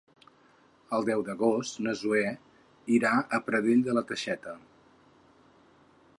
El deu d'agost na Zoè irà a Pradell de la Teixeta.